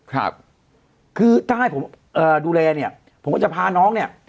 ครับคือถ้าให้ผมเอ่อดูแลเนี่ยผมก็จะพาน้องเนี้ย